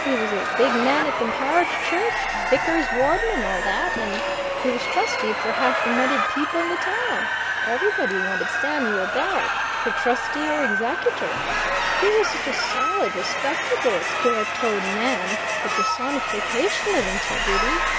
He was a big man at the parish church vicar's warden, and all that. And he was trustee for half the moneyed people in the town everybody wanted Samuel Barrett, for trustee or executor; he was such a solid, respectable, square toed man, the personification of integrity.